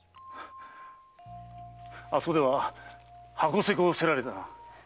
あそこでは筥迫を掏られたな。